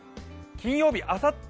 金曜日あさって